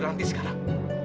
papa temuin ranti sekarang